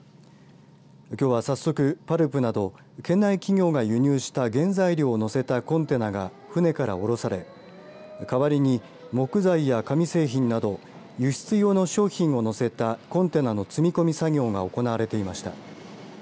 きょうは早速パルプなど県内企業が輸入した原材料を載せたコンテナが船から降ろされ代わりに木材や紙製品など輸出用の商品を載せたコンテナの積み込み作業が行われていました。